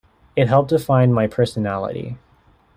It helped define my personality.